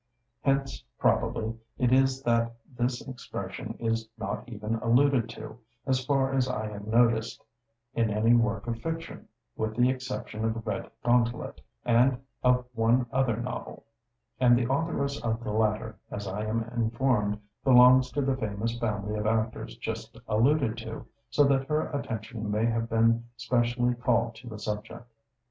Hence probably it is that this expression is not even alluded to, as far as I have noticed, in any work of fiction, with the exception of 'Red Gauntlet' and of one other novel; and the authoress of the latter, as I am informed, belongs to the famous family of actors just alluded to; so that her attention may have been specially called to the subject.